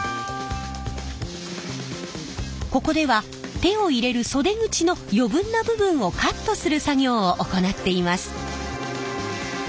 ここでは手を入れる袖口の余分な部分をカットする作業を行っています。